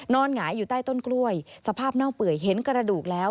หงายอยู่ใต้ต้นกล้วยสภาพเน่าเปื่อยเห็นกระดูกแล้ว